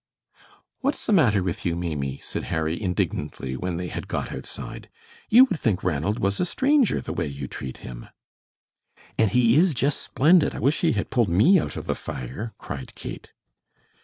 "What's the matter with you, Maimie?" said Harry, indignantly, when they had got outside. "You would think Ranald was a stranger, the way you treat him." "And he is just splendid! I wish he had pulled ME out of the fire," cried Kate.